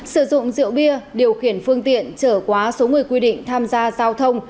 sử dụng rượu bia điều khiển phương tiện trở quá số người quy định tham gia giao thông